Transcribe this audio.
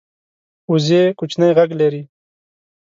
وزې کوچنی غږ لري